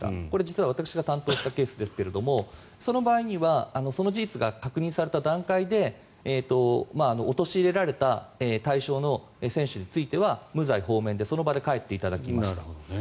これ実は私が担当したケースですけどもその場合にはその事実が確認された段階で陥れられた対象の選手については無罪放免でその場で帰っていただきました。